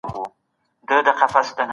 دا لوښی په لاس رنګ سوی دی.